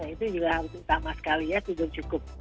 itu juga harus ditama sekali ya tidur cukup